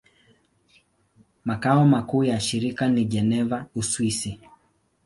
Makao makuu ya shirika ni Geneva, Uswisi.